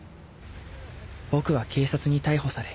僕は警察に逮捕され